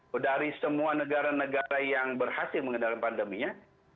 dan dari semua negara negara yang berhasil mengendalikan pandeminya